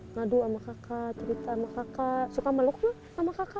ngadu sama kakak cerita sama kakak suka meluknya sama kakak